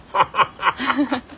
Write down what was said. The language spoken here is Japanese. ハハハハハ。